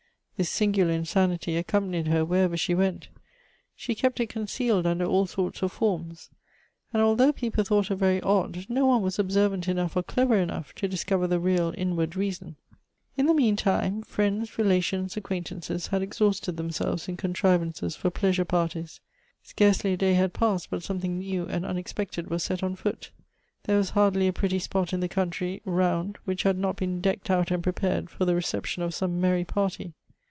"This singular insanity accompanied her wherever she went. She kept it concealed under all sorts of forms; and although people thought her very odd, no one was observant enough or clever enough to discover the real inward reason. " In the mean time, friends, relations, acquaintances had exhausted themselves in contrivances for pleasure parties. Scarcely a day had passed, but something new and unex pected was set on foot. There was hardly a pretty spot in the country round which had not been decked out and prepared for the reception of some merry party.